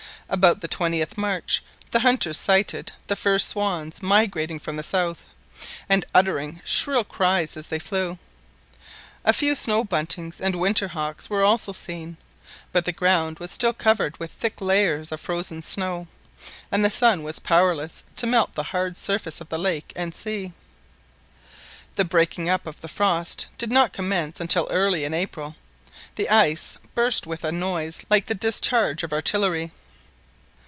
About the 20th March the hunters sighted the first swans migrating from the south, and uttering shrill cries as they flew. A few snow buntings and winter hawks were also seen. But the ground was still covered with thick layers of frozen snow, and the sun was powerless to melt the hard surface of the lake and sea. The breaking up of the frost did not commence until early in April. The ice burst with a noise like the discharge of artillery.